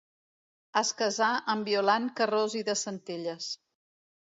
Es casà amb Violant Carròs i de Centelles.